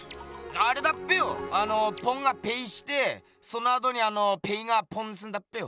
あれだっぺよあのポンがペイしてそのあとにあのペイがポンすんだっぺよ。